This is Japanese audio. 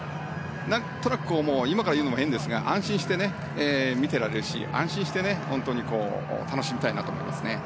なんとなく今から言うのも変ですが安心して見てられるし安心して楽しみたいなと思いますね。